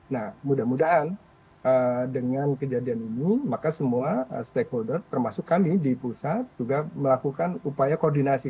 nah mudah mudahan dengan kejadian ini maka semua stakeholder termasuk kami di pusat juga melakukan upaya koordinasi